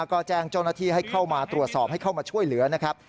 ก็แจ้งเจ้าหน้าที่ให้เข้ามาตรวจสอบให้เข้ามาช่วยเหลือนะครับ